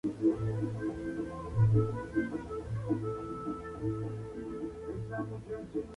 La victoria de Qatar hizo mucho para impulsar el perfil global de la región.